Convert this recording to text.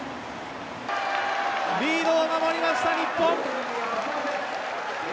リードを守りました、日本。